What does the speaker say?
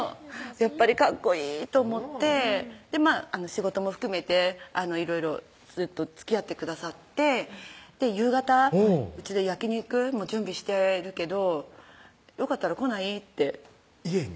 やっぱりかっこいいと思って仕事も含めていろいろずっとつきあってくださって夕方「うちで焼き肉準備してるけどよかったら来ない？」って家に？